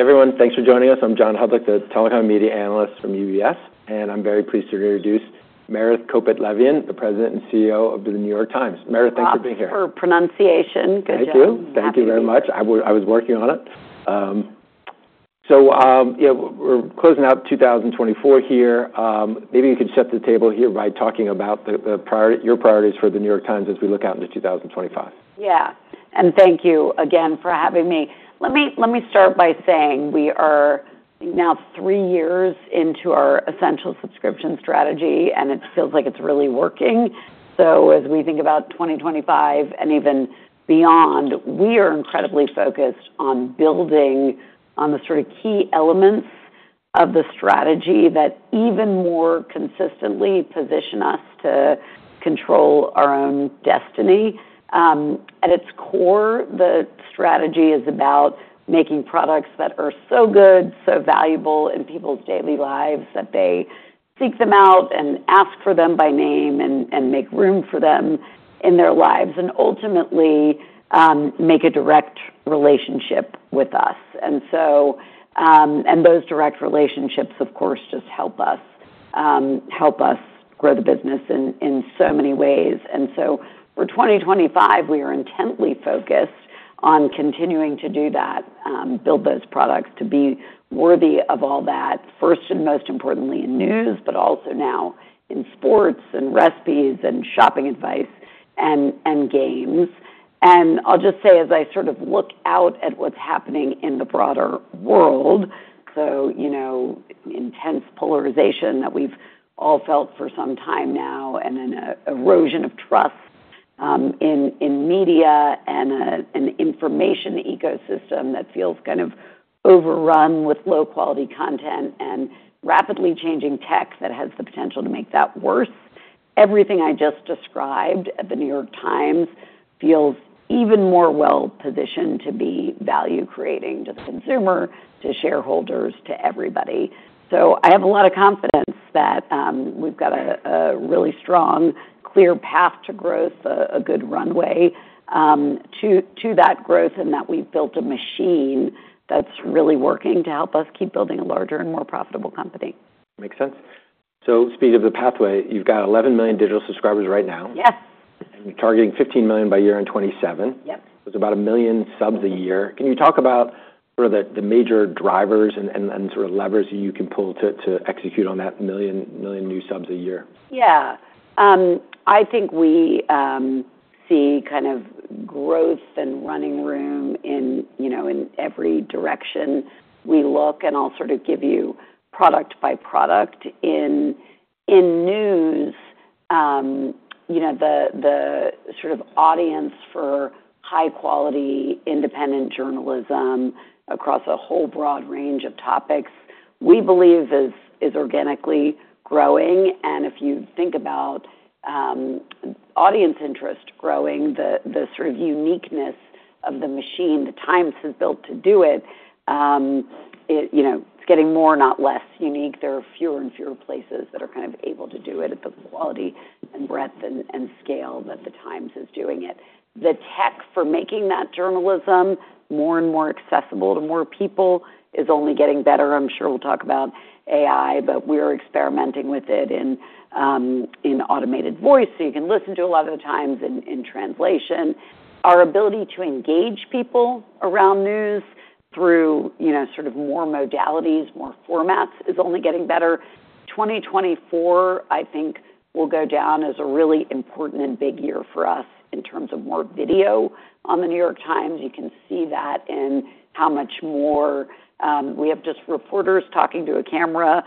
Everyone, thanks for joining us. I'm John Hodulik, the telecom media analyst from UBS, and I'm very pleased to introduce Meredith Kopit Levien, the President and CEO of The New York Times. Meredith, thanks for being here. For pronunciation. Good job. Thank you. Thank you very much. I was working on it. So we're closing out 2024 here. Maybe you could set the table here by talking about your priorities for The New York Times as we look out into 2025. Yeah, and thank you again for having me. Let me start by saying we are now three years into our Essential Subscription strategy, and it feels like it's really working. So as we think about 2025 and even beyond, we are incredibly focused on building on the sort of key elements of the strategy that even more consistently position us to control our own destiny. At its core, the strategy is about making products that are so good, so valuable in people's daily lives that they seek them out and ask for them by name and make room for them in their lives and ultimately make a direct relationship with us. And those direct relationships, of course, just help us grow the business in so many ways. And so for 2025, we are intently focused on continuing to do that, build those products to be worthy of all that, first and most importantly in news, but also now in sports and recipes and shopping advice and games. And I'll just say, as I sort of look out at what's happening in the broader world, so intense polarization that we've all felt for some time now and an erosion of trust in media and an information ecosystem that feels kind of overrun with low-quality content and rapidly changing tech that has the potential to make that worse. Everything I just described at The New York Times feels even more well-positioned to be value-creating to the consumer, to shareholders, to everybody. I have a lot of confidence that we've got a really strong, clear path to growth, a good runway to that growth and that we've built a machine that's really working to help us keep building a larger and more profitable company. Makes sense. So speaking of the pathway, you've got 11 million digital subscribers right now. Yes. You're targeting 15 million by year in 2027. Yep. There's about a million subs a year. Can you talk about sort of the major drivers and sort of levers you can pull to execute on that million new subs a year? Yeah. I think we see kind of growth and running room in every direction we look, and I'll sort of give you product by product. In news, the sort of audience for high-quality independent journalism across a whole broad range of topics, we believe, is organically growing. And if you think about audience interest growing, the sort of uniqueness of the machine The Times has built to do it, it's getting more, not less unique. There are fewer and fewer places that are kind of able to do it at the quality and breadth and scale that The Times is doing it. The tech for making that journalism more and more accessible to more people is only getting better. I'm sure we'll talk about AI, but we are experimenting with it in automated voice so you can listen to a lot of The Times in translation. Our ability to engage people around news through sort of more modalities, more formats, is only getting better. 2024, I think, will go down as a really important and big year for us in terms of more video on The New York Times. You can see that in how much more we have just reporters talking to a camera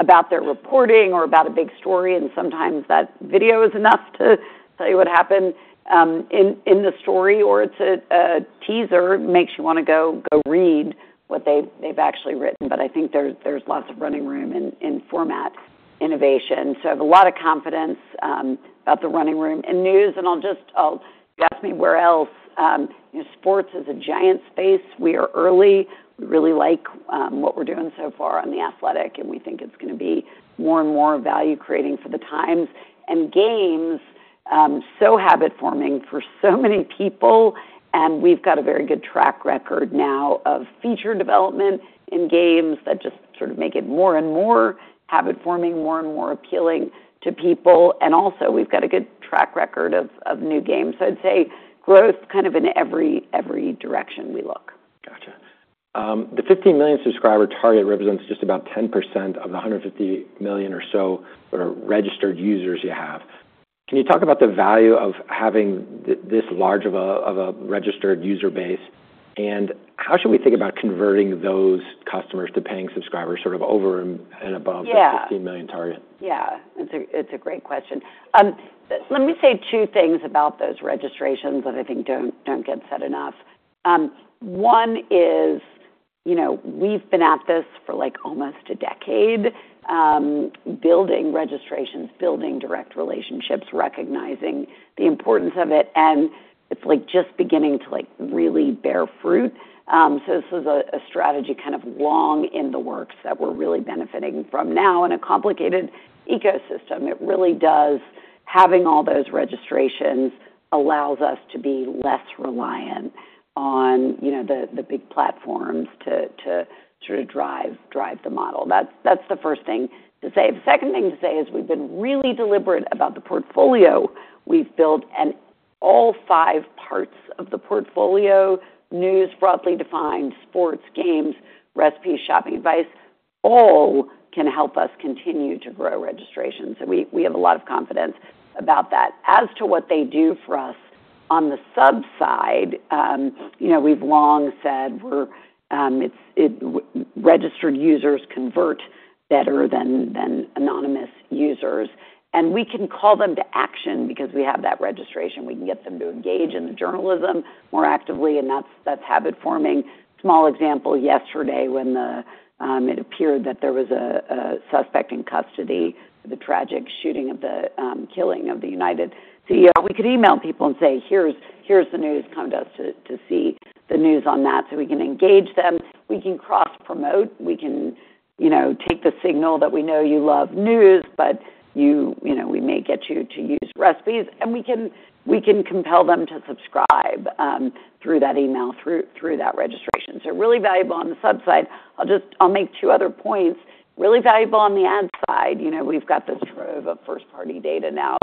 about their reporting or about a big story, and sometimes that video is enough to tell you what happened in the story, or it's a teaser. It makes you want to go read what they've actually written, but I think there's lots of running room in format innovation, so I have a lot of confidence about the running room in news, and you asked me where else. Sports is a giant space. We are early. We really like what we're doing so far on The Athletic, and we think it's going to be more and more value-creating for The Times and Games. It's so habit-forming for so many people. We have got a very good track record now of feature development in Games that just sort of make it more and more habit-forming, more and more appealing to people. We also have got a good track record of new games. Growth is kind of in every direction we look. Gotcha. The 15 million subscriber target represents just about 10% of the 150 million or so registered users you have. Can you talk about the value of having this large of a registered user base? And how should we think about converting those customers to paying subscribers sort of over and above the 15 million target? Yeah. It's a great question. Let me say two things about those registrations that I think don't get said enough. One is we've been at this for almost a decade, building registrations, building direct relationships, recognizing the importance of it, and it's just beginning to really bear fruit, so this is a strategy kind of long in the works that we're really benefiting from now in a complicated ecosystem. It really does. Having all those registrations allows us to be less reliant on the big platforms to sort of drive the model. That's the first thing to say. The second thing to say is we've been really deliberate about the portfolio we've built, and all five parts of the portfolio: news, broadly defined, sports, games, recipes, shopping advice, all can help us continue to grow registrations, so we have a lot of confidence about that. As to what they do for us on the subs side, we've long said registered users convert better than anonymous users. We can call them to action because we have that registration. We can get them to engage in the journalism more actively, and that's habit-forming. Small example: yesterday, when it appeared that there was a suspect in custody for the tragic shooting, the killing of the UnitedHealthcare CEO, we could email people and say, "Here's the news. Come to us to see the news on that." We can engage them. We can cross-promote. We can take the signal that we know you love news, but we may get you to use recipes. We can compel them to subscribe through that email, through that registration. Really valuable on the subs side. I'll make two other points. Really valuable on the ad side. We've got this trove of first-party data now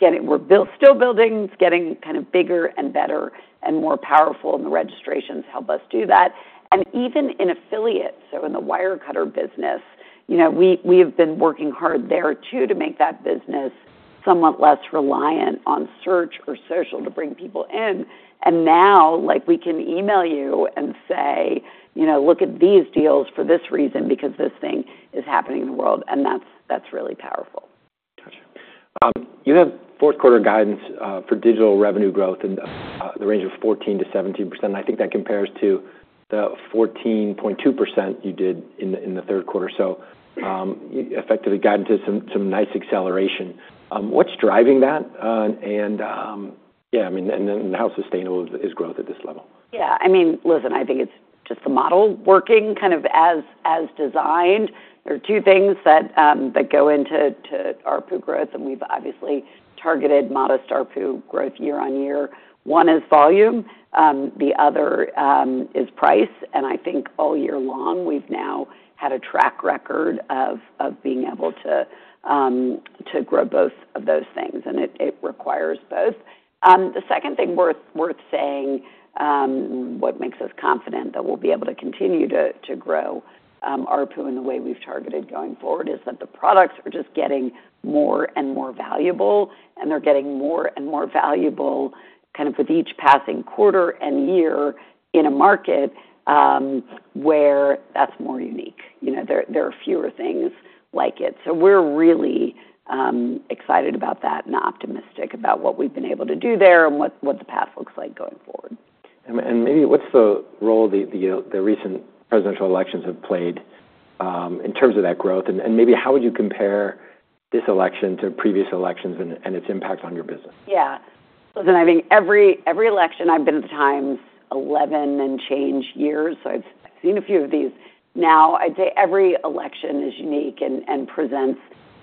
that we're still building. It's getting kind of bigger and better and more powerful, and the registrations help us do that. And even in affiliates, so in the Wirecutter business, we have been working hard there too to make that business somewhat less reliant on search or social to bring people in. And now we can email you and say, "Look at these deals for this reason because this thing is happening in the world." And that's really powerful. Gotcha. You have fourth-quarter guidance for digital revenue growth in the range of 14%-17%. And I think that compares to the 14.2% you did in the third quarter. So effectively, guidance is some nice acceleration. What's driving that? And yeah, I mean, and then how sustainable is growth at this level? Yeah. I mean, listen, I think it's just the model working kind of as designed. There are two things that go into ARPU growth, and we've obviously targeted modest ARPU growth year on year. One is volume. The other is price. And I think all year long, we've now had a track record of being able to grow both of those things. And it requires both. The second thing worth saying, what makes us confident that we'll be able to continue to grow ARPU in the way we've targeted going forward, is that the products are just getting more and more valuable, and they're getting more and more valuable kind of with each passing quarter and year in a market where that's more unique. There are fewer things like it. So we're really excited about that and optimistic about what we've been able to do there and what the path looks like going forward. And maybe what's the role the recent presidential elections have played in terms of that growth? And maybe how would you compare this election to previous elections and its impact on your business? Yeah. Listen, I think every election I've been at The Times 11 and change years, so I've seen a few of these now. I'd say every election is unique and presents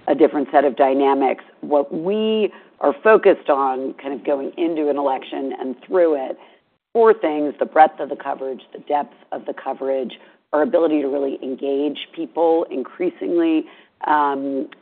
a different set of dynamics. What we are focused on kind of going into an election and through it: four things: the breadth of the coverage, the depth of the coverage, our ability to really engage people increasingly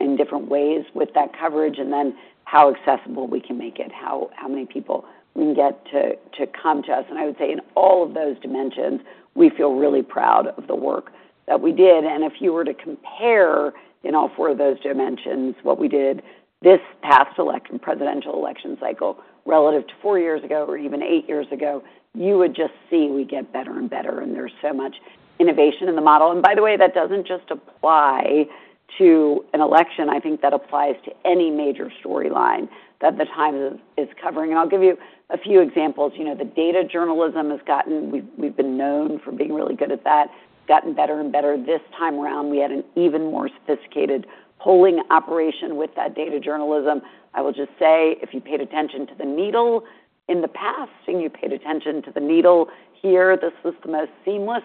in different ways with that coverage, and then how accessible we can make it, how many people we can get to come to us. I would say in all of those dimensions, we feel really proud of the work that we did. And if you were to compare in all four of those dimensions what we did this past presidential election cycle relative to four years ago or even eight years ago, you would just see we get better and better, and there's so much innovation in the model. And by the way, that doesn't just apply to an election. I think that applies to any major storyline that The Times is covering. And I'll give you a few examples. The data journalism has gotten (we've been known for being really good at that) gotten better and better. This time around, we had an even more sophisticated polling operation with that data journalism. I will just say, if you paid attention to The Needle in the past and you paid attention to The Needle here, this was the most seamless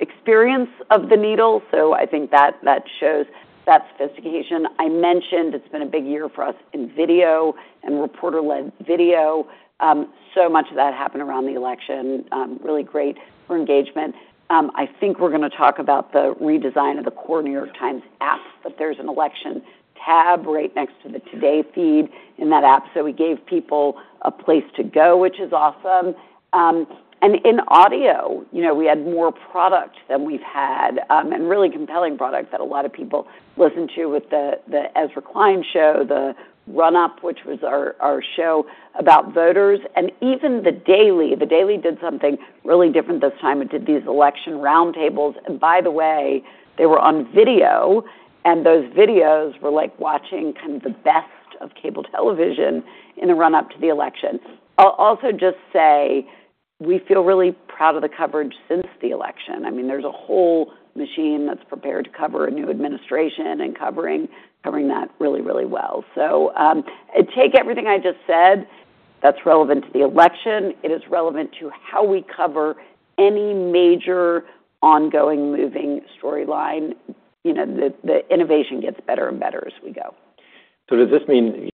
experience of The Needle. So I think that shows that sophistication. I mentioned it's been a big year for us in video and reporter-led video, so much of that happened around the election. Really great for engagement. I think we're going to talk about the redesign of the core New York Times app, but there's an Election tab right next to the Today feed in that app. So we gave people a place to go, which is awesome, and in audio, we had more product than we've had, and really compelling product that a lot of people listen to with The Ezra Klein Show, The Run-Up, which was our show about voters, and even The Daily did something really different this time. It did these election roundtables, and by the way, they were on video, and those videos were like watching kind of the best of cable television in the run-up to the election. I'll also just say we feel really proud of the coverage since the election. I mean, there's a whole machine that's prepared to cover a new administration and covering that really, really well. So take everything I just said that's relevant to the election. It is relevant to how we cover any major ongoing moving storyline. The innovation gets better and better as we go. So does this mean,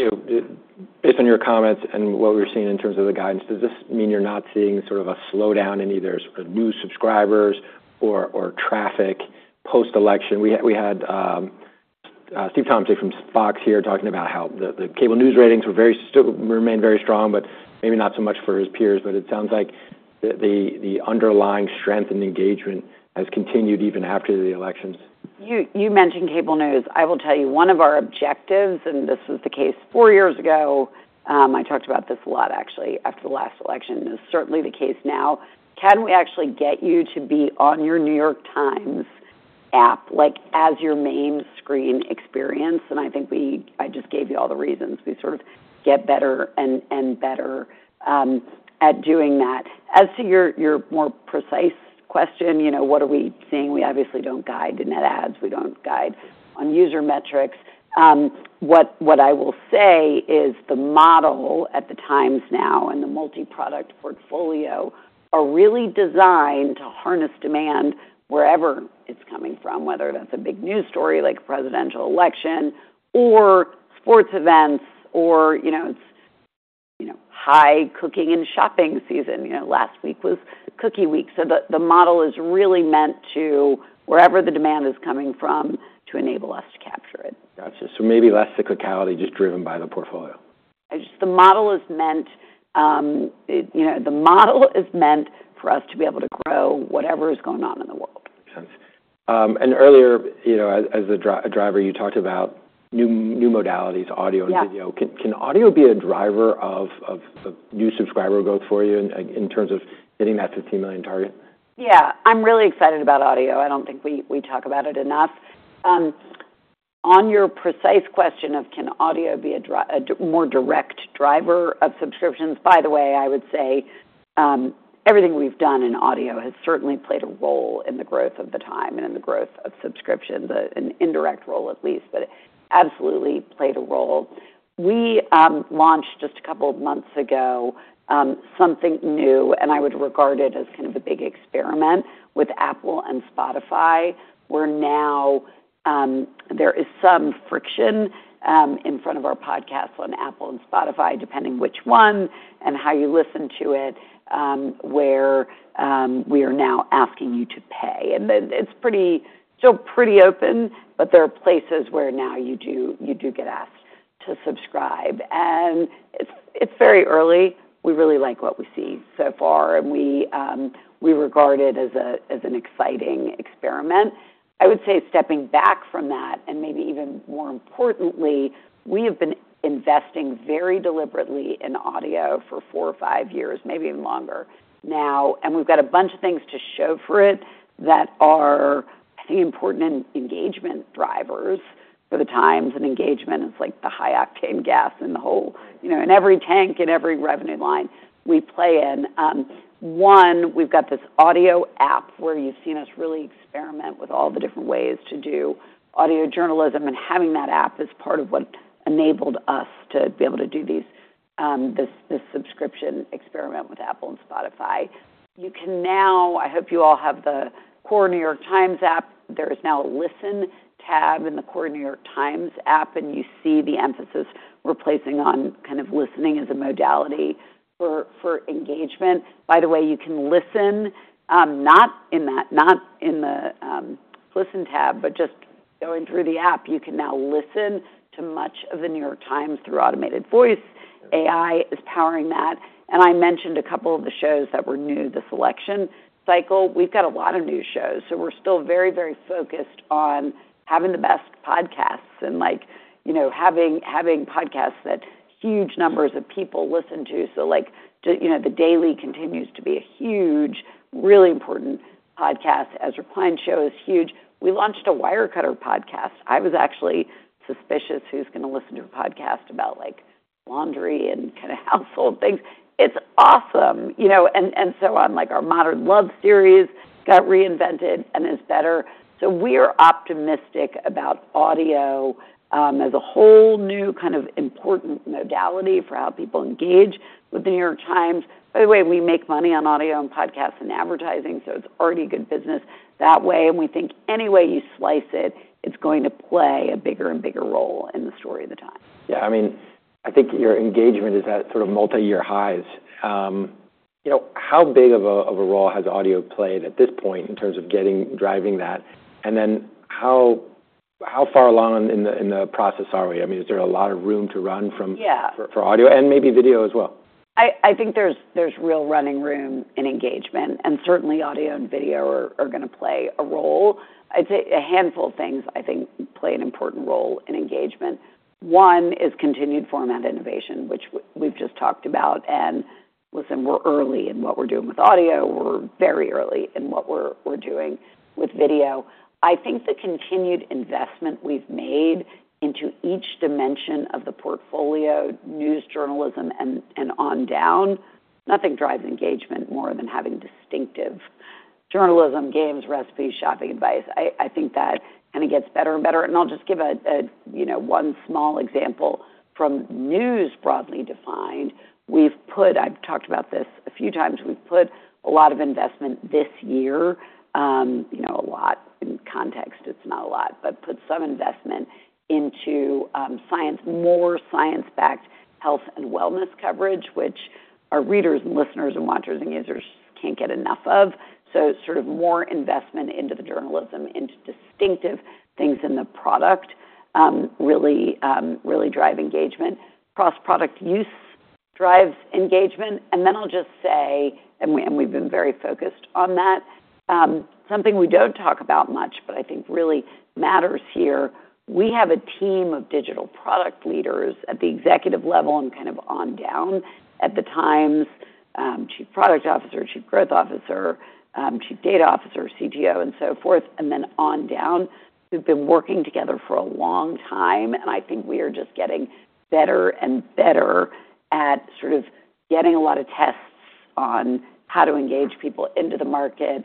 based on your comments and what we're seeing in terms of the guidance, does this mean you're not seeing sort of a slowdown in either new subscribers or traffic post-election? We had Steve Tomsic from Fox here talking about how the cable news ratings remained very strong, but maybe not so much for his peers. But it sounds like the underlying strength and engagement has continued even after the elections. You mentioned cable news. I will tell you, one of our objectives, and this was the case four years ago. I talked about this a lot, actually, after the last election. It's certainly the case now. Can we actually get you to be on your New York Times app as your main screen experience? And I think I just gave you all the reasons. We sort of get better and better at doing that. As to your more precise question, what are we seeing? We obviously don't guide in ads. We don't guide on user metrics. What I will say is the model at The Times now and the multi-product portfolio are really designed to harness demand wherever it's coming from, whether that's a big news story like a presidential election or sports events or it's high cooking and shopping season. Last week was Cookie Week. So the model is really meant to, wherever the demand is coming from, to enable us to capture it. Gotcha. So maybe less cyclicality just driven by the portfolio. The model is meant for us to be able to grow whatever is going on in the world. Makes sense, and earlier, as a driver, you talked about new modalities, audio and video. Can audio be a driver of new subscriber growth for you in terms of hitting that 15 million target? Yeah. I'm really excited about audio. I don't think we talk about it enough. On your precise question of can audio be a more direct driver of subscriptions, by the way, I would say everything we've done in audio has certainly played a role in the growth of The Times and in the growth of subscriptions, an indirect role at least, but it absolutely played a role. We launched just a couple of months ago something new, and I would regard it as kind of a big experiment with Apple and Spotify. Where now there is some friction in front of our podcasts on Apple and Spotify, depending which one and how you listen to it, where we are now asking you to pay. And it's still pretty open, but there are places where now you do get asked to subscribe. And it's very early. We really like what we see so far, and we regard it as an exciting experiment. I would say stepping back from that, and maybe even more importantly, we have been investing very deliberately in audio for four or five years, maybe even longer now, and we've got a bunch of things to show for it that are, I think, important engagement drivers for The Times, and engagement is like the high octane gas in the whole, in every tank and every revenue line we play in. One, we've got this audio app where you've seen us really experiment with all the different ways to do audio journalism, and having that app is part of what enabled us to be able to do this subscription experiment with Apple and Spotify. You can now. I hope you all have the core New York Times app. There is now a Listen tab in the core New York Times app, and you see the emphasis we're placing on kind of listening as a modality for engagement. By the way, you can listen, not in the Listen tab, but just going through the app, you can now listen to much of the New York Times through automated voice. AI is powering that, and I mentioned a couple of the shows that were new this election cycle. We've got a lot of new shows, so we're still very, very focused on having the best podcasts and having podcasts that huge numbers of people listen to, so The Daily continues to be a huge, really important podcast. Ezra Klein Show is huge. We launched a Wirecutter podcast. I was actually suspicious who's going to listen to a podcast about laundry and kind of household things. It's awesome. And so on, our Modern Love series got reinvented and is better. So we are optimistic about audio as a whole new kind of important modality for how people engage with The New York Times. By the way, we make money on audio and podcasts and advertising, so it's already good business that way. And we think any way you slice it, it's going to play a bigger and bigger role in the story of The Times. Yeah. I mean, I think your engagement is at sort of multi-year highs. How big of a role has audio played at this point in terms of driving that? And then how far along in the process are we? I mean, is there a lot of room to run for audio and maybe video as well? I think there's real running room in engagement, and certainly, audio and video are going to play a role. I'd say a handful of things, I think, play an important role in engagement. One is continued format innovation, which we've just talked about, and listen, we're early in what we're doing with audio. We're very early in what we're doing with video. I think the continued investment we've made into each dimension of the portfolio, news journalism and on down. Nothing drives engagement more than having distinctive journalism, games, recipes, shopping advice. I think that kind of gets better and better, and I'll just give one small example from news broadly defined. I've talked about this a few times. We've put a lot of investment this year, a lot in context. It's not a lot, but put some investment into science, more science-backed health and wellness coverage, which our readers and listeners and watchers and users can't get enough of. So sort of more investment into the journalism, into distinctive things in the product really drive engagement. Cross-product use drives engagement. And then I'll just say, and we've been very focused on that, something we don't talk about much, but I think really matters here. We have a team of digital product leaders at the executive level and kind of on down at The Times, chief product officer, chief growth officer, chief data officer, CTO, and so forth, and then on down who've been working together for a long time. I think we are just getting better and better at sort of getting a lot of tests on how to engage people into the market and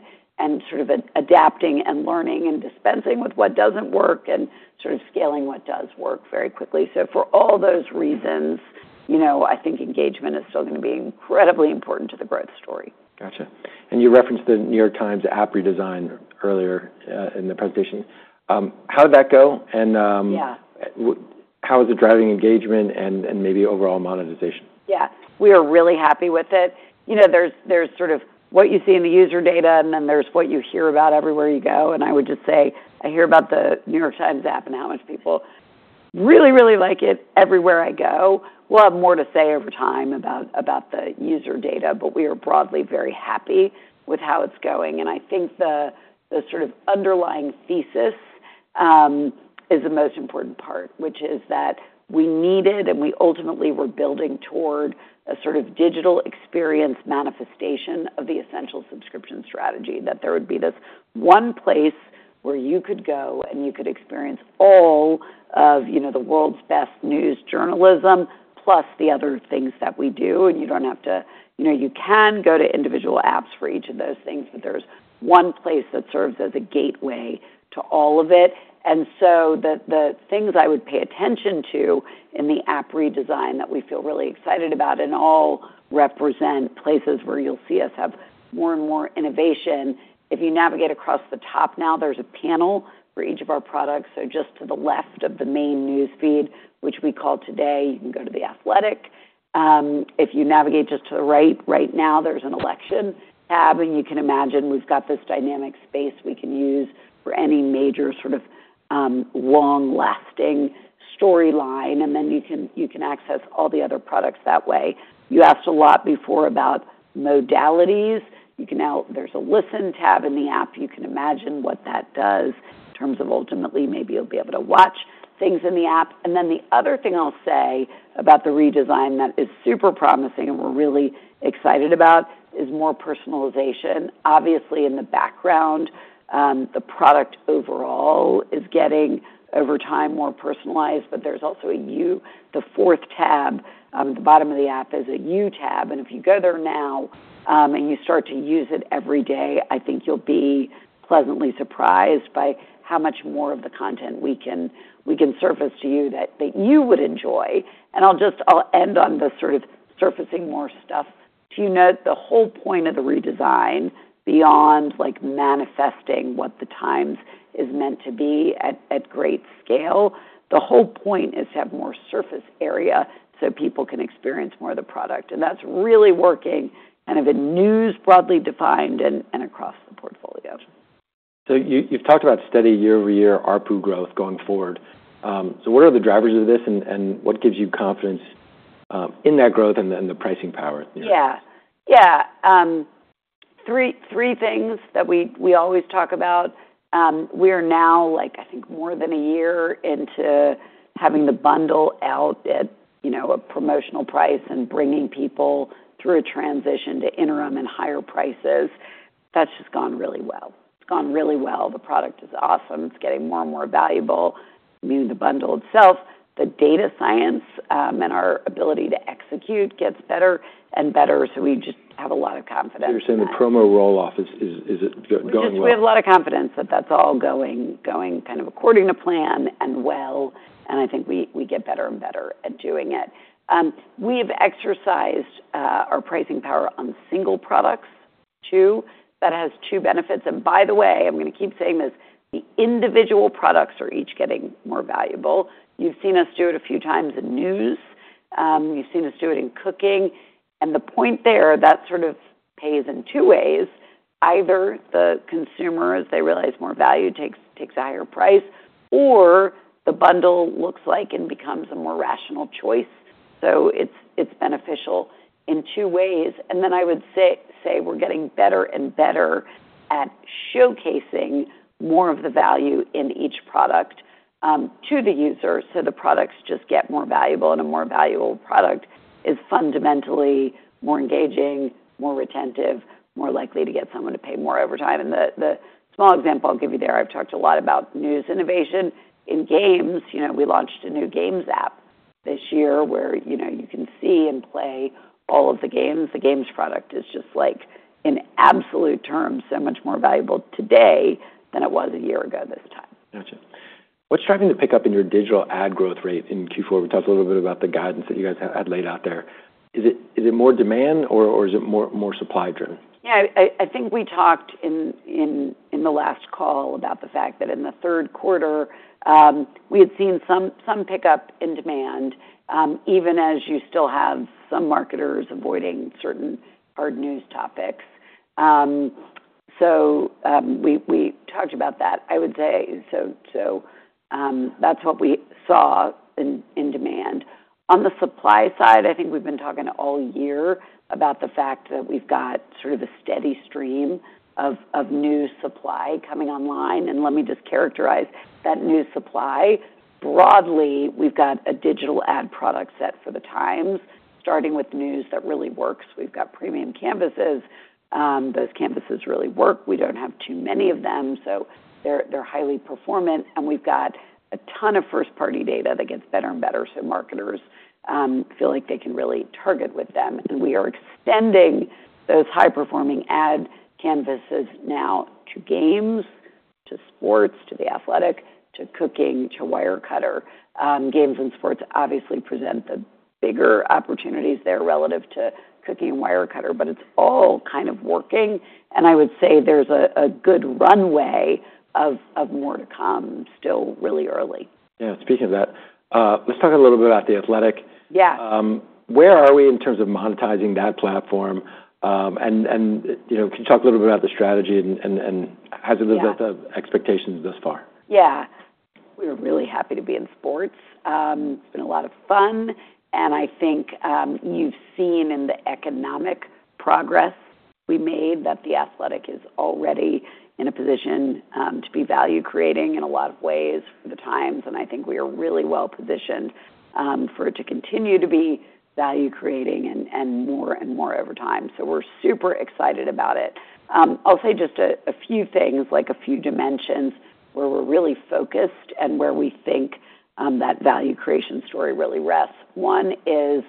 sort of adapting and learning and dispensing with what doesn't work and sort of scaling what does work very quickly. For all those reasons, I think engagement is still going to be incredibly important to the growth story. Gotcha. And you referenced the New York Times app redesign earlier in the presentation. How did that go? And how is it driving engagement and maybe overall monetization? Yeah. We are really happy with it. There's sort of what you see in the user data, and then there's what you hear about everywhere you go. And I would just say I hear about the New York Times App and how much people really, really like it everywhere I go. We'll have more to say over time about the user data, but we are broadly very happy with how it's going. And I think the sort of underlying thesis is the most important part, which is that we needed and we ultimately were building toward a sort of digital experience manifestation of the essential subscription strategy, that there would be this one place where you could go and you could experience all of the world's best news journalism plus the other things that we do. And you don't have to, you can go to individual apps for each of those things, but there's one place that serves as a gateway to all of it. And so the things I would pay attention to in the app redesign that we feel really excited about and all represent places where you'll see us have more and more innovation. If you navigate across the top now, there's a panel for each of our products. So just to the left of the main news feed, which we call Today, you can go to The Athletic. If you navigate just to the right, right now, there's an election tab. And you can imagine we've got this dynamic space we can use for any major sort of long-lasting storyline. And then you can access all the other products that way. You asked a lot before about modalities. There's a Listen tab in the app. You can imagine what that does in terms of ultimately maybe you'll be able to watch things in the app. And then the other thing I'll say about the redesign that is super promising and we're really excited about is more personalization. Obviously, in the background, the product overall is getting over time more personalized, but there's also a You, the fourth tab. At the bottom of the app is a You tab. And if you go there now and you start to use it every day, I think you'll be pleasantly surprised by how much more of the content we can surface to you that you would enjoy. And I'll end on the sort of surfacing more stuff. To your note, the whole point of the redesign beyond manifesting what The Times is meant to be at great scale, the whole point is to have more surface area so people can experience more of the product, and that's really working kind of in news broadly defined and across the portfolio. So you've talked about steady year-over-year ARPU growth going forward. So what are the drivers of this and what gives you confidence in that growth and the pricing power? Yeah. Yeah. Three things that we always talk about. We are now, I think, more than a year into having the bundle out at a promotional price and bringing people through a transition to interim and higher prices. That's just gone really well. It's gone really well. The product is awesome. It's getting more and more valuable. The bundle itself, the data science and our ability to execute gets better and better. So we just have a lot of confidence. You're saying the promo rolloff is going well? Yes. We have a lot of confidence that that's all going kind of according to plan and well. And I think we get better and better at doing it. We have exercised our pricing power on single products too. That has two benefits. And by the way, I'm going to keep saying this, the individual products are each getting more valuable. You've seen us do it a few times in news. You've seen us do it in cooking. And the point there, that sort of pays in two ways. Either the consumer, as they realize more value, takes a higher price, or the bundle looks like and becomes a more rational choice. So it's beneficial in two ways. And then I would say we're getting better and better at showcasing more of the value in each product to the user. So the products just get more valuable, and a more valuable product is fundamentally more engaging, more retentive, more likely to get someone to pay more over time. And the small example I'll give you there, I've talked a lot about news innovation. In games, we launched a new games app this year where you can see and play all of the games. The games product is just, in absolute terms, so much more valuable today than it was a year ago this time. Gotcha. What's driving the pickup in your digital ad growth rate in Q4? We talked a little bit about the guidance that you guys had laid out there. Is it more demand, or is it more supply-driven? Yeah. I think we talked in the last call about the fact that in the third quarter, we had seen some pickup in demand, even as you still have some marketers avoiding certain hard news topics. So we talked about that, I would say. So that's what we saw in demand. On the supply side, I think we've been talking all year about the fact that we've got sort of a steady stream of new supply coming online. And let me just characterize that new supply. Broadly, we've got a digital ad product set for The Times, starting with news that really works. We've got premium canvases. Those canvases really work. We don't have too many of them, so they're highly performant. And we've got a ton of first-party data that gets better and better, so marketers feel like they can really target with them. And we are extending those high-performing ad canvases now to Games, to sports, to The Athletic, to Cooking, to Wirecutter. Games and sports obviously present the bigger opportunities there relative to Cooking and Wirecutter, but it's all kind of working. And I would say there's a good runway of more to come, still really early. Yeah. Speaking of that, let's talk a little bit about The Athletic. Where are we in terms of monetizing that platform? And can you talk a little bit about the strategy and how's it lived up to expectations thus far? Yeah. We're really happy to be in sports. It's been a lot of fun. And I think you've seen in the economic progress we made that The Athletic is already in a position to be value-creating in a lot of ways for The Times. And I think we are really well-positioned for it to continue to be value-creating and more and more over time. So we're super excited about it. I'll say just a few things, like a few dimensions where we're really focused and where we think that value-creation story really rests. One is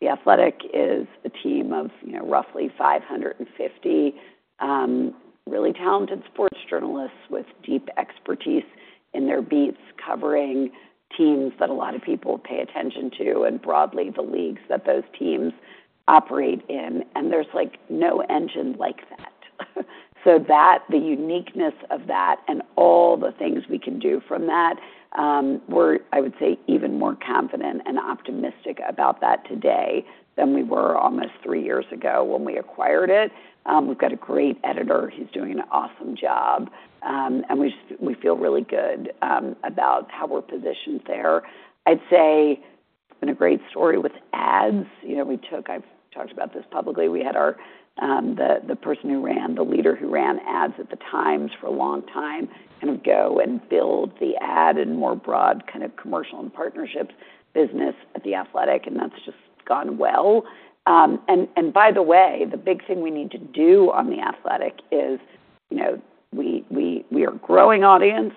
The Athletic is a team of roughly 550 really talented sports journalists with deep expertise in their beats, covering teams that a lot of people pay attention to and broadly the leagues that those teams operate in. And there's no engine like that. So the uniqueness of that and all the things we can do from that, we're, I would say, even more confident and optimistic about that today than we were almost three years ago when we acquired it. We've got a great editor. He's doing an awesome job. And we feel really good about how we're positioned there. I'd say it's been a great story with ads. I've talked about this publicly. We had the person who ran, the leader who ran ads at The Times for a long time kind of go and build the ad and more broad kind of commercial and partnerships business at The Athletic. And that's just gone well. And by the way, the big thing we need to do on The Athletic is we are growing audience.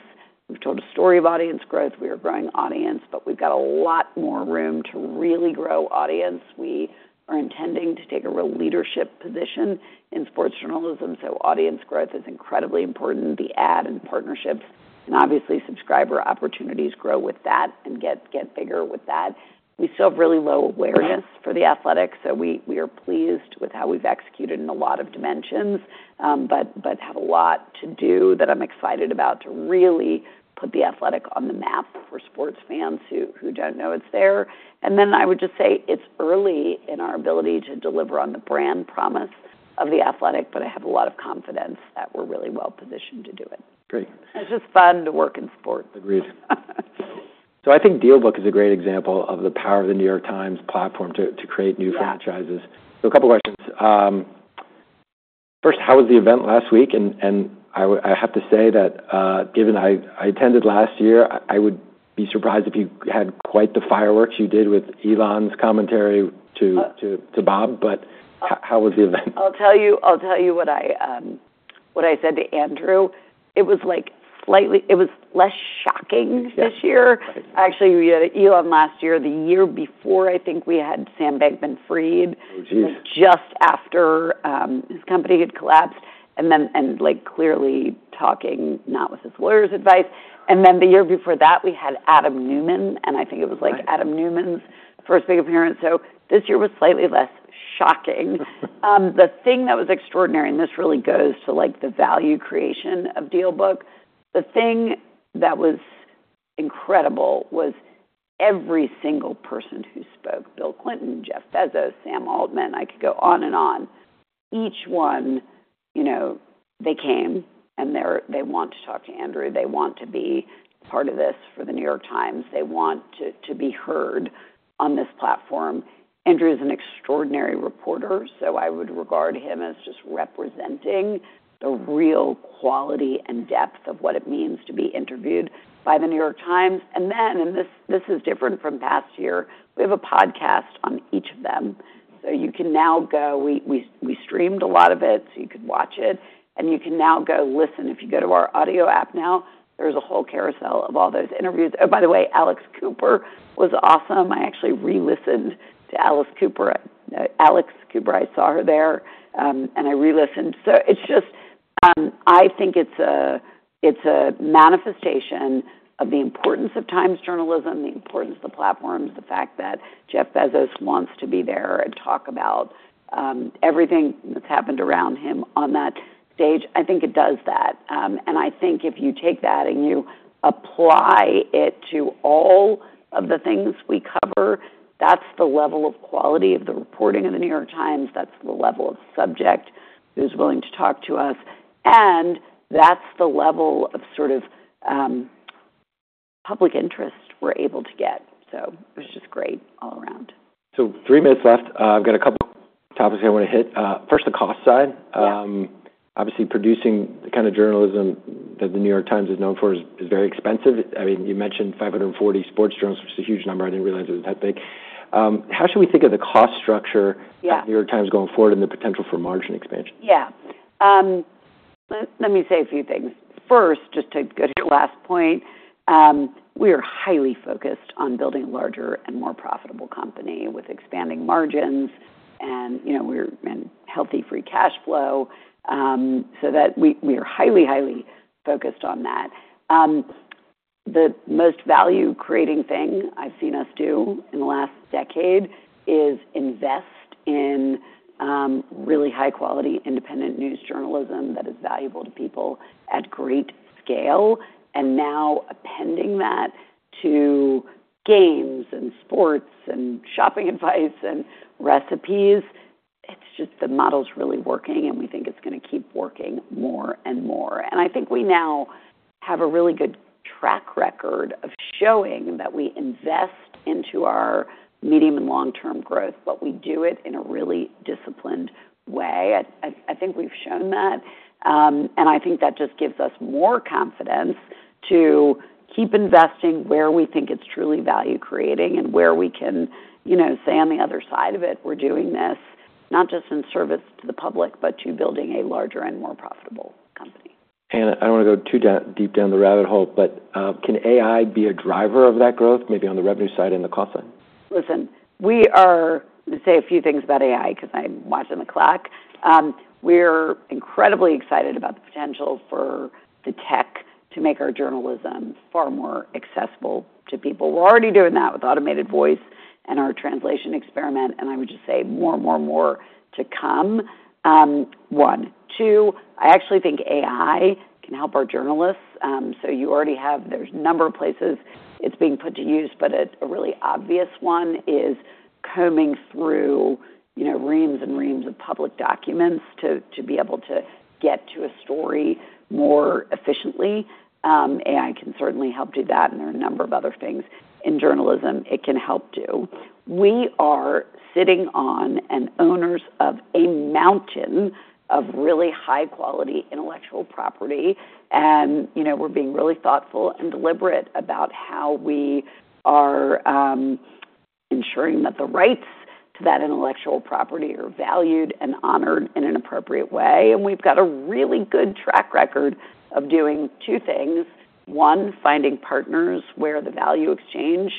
We've told a story of audience growth. We are growing audience, but we've got a lot more room to really grow audience. We are intending to take a real leadership position in sports journalism, so audience growth is incredibly important. The ad and partnerships and obviously subscriber opportunities grow with that and get bigger with that. We still have really low awareness for The Athletic, so we are pleased with how we've executed in a lot of dimensions, but have a lot to do that I'm excited about to really put The Athletic on the map for sports fans who don't know it's there, and then I would just say it's early in our ability to deliver on the brand promise of The Athletic, but I have a lot of confidence that we're really well-positioned to do it. Great. It's just fun to work in sports. Agreed. So I think DealBook is a great example of the power of the New York Times platform to create new franchises. So a couple of questions. First, how was the event last week? And I have to say that given I attended last year, I would be surprised if you had quite the fireworks you did with Elon's commentary to Bob. But how was the event? I'll tell you what I said to Andrew. It was less shocking this year. Actually, we had Elon last year, the year before, I think we had Sam Bankman-Fried just after his company had collapsed and clearly talking not with his lawyer's advice. And then the year before that, we had Adam Neumann. And I think it was Adam Neumann's first big appearance. So this year was slightly less shocking. The thing that was extraordinary, and this really goes to the value creation of DealBook, the thing that was incredible was every single person who spoke, Bill Clinton, Jeff Bezos, Sam Altman, I could go on and on. Each one, they came, and they want to talk to Andrew. They want to be part of this for the New York Times. They want to be heard on this platform. Andrew is an extraordinary reporter, so I would regard him as just representing the real quality and depth of what it means to be interviewed by the New York Times. And then, and this is different from past year, we have a podcast on each of them. So you can now go. We streamed a lot of it, so you could watch it. And you can now go listen. If you go to our audio app now, there's a whole carousel of all those interviews. Oh, by the way, Alex Cooper was awesome. I actually re-listened to Alex Cooper. Alex Cooper, I saw her there, and I re-listened. So it's just. I think it's a manifestation of the importance of Times journalism, the importance of the platforms, the fact that Jeff Bezos wants to be there and talk about everything that's happened around him on that stage. I think it does that. And I think if you take that and you apply it to all of the things we cover, that's the level of quality of the reporting of the New York Times. That's the level of subject who's willing to talk to us. And that's the level of sort of public interest we're able to get. So it was just great all around. So three minutes left. I've got a couple of topics I want to hit. First, the cost side. Obviously, producing the kind of journalism that the New York Times is known for is very expensive. I mean, you mentioned 540 sports journalists, which is a huge number. I didn't realize it was that big. How should we think of the cost structure of the New York Times going forward and the potential for margin expansion? Yeah. Let me say a few things. First, just to go to your last point, we are highly focused on building a larger and more profitable company with expanding margins and healthy free cash flow. So we are highly, highly focused on that. The most value-creating thing I've seen us do in the last decade is invest in really high-quality independent news journalism that is valuable to people at great scale. And now appending that to games and sports and shopping advice and recipes, it's just the model's really working, and we think it's going to keep working more and more. And I think we now have a really good track record of showing that we invest into our medium and long-term growth, but we do it in a really disciplined way. I think we've shown that. And I think that just gives us more confidence to keep investing where we think it's truly value-creating and where we can say on the other side of it, we're doing this not just in service to the public, but to building a larger and more profitable company. I don't want to go too deep down the rabbit hole, but can AI be a driver of that growth, maybe on the revenue side and the cost side? Listen, we are, let me say a few things about AI because I'm watching the clock. We're incredibly excited about the potential for the tech to make our journalism far more accessible to people. We're already doing that with automated voice and our translation experiment, and I would just say more and more and more to come. One. Two, I actually think AI can help our journalists, so you already have, there's a number of places it's being put to use, but a really obvious one is combing through reams and reams of public documents to be able to get to a story more efficiently. AI can certainly help do that. And there are a number of other things in journalism it can help do. We are sitting on, and owners of, a mountain of really high-quality intellectual property. And we're being really thoughtful and deliberate about how we are ensuring that the rights to that intellectual property are valued and honored in an appropriate way. And we've got a really good track record of doing two things. One, finding partners where the value exchange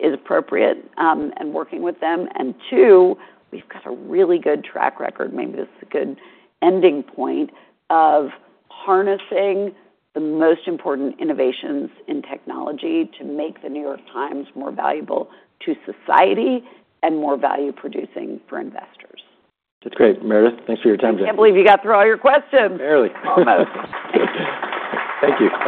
is appropriate and working with them. And two, we've got a really good track record, maybe this is a good ending point, of harnessing the most important innovations in technology to make The New York Times more valuable to society and more value-producing for investors. That's great. Meredith, thanks for your time, Jeff. I can't believe you got through all your questions. Barely. Thank you.